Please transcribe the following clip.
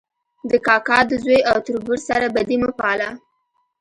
د کاکا د زوی او تربور سره بدي مه پاله